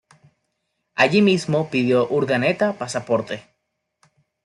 Allí mismo pidió Urdaneta pasaporte.